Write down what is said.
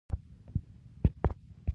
ظلم د ټولنې زهر دی.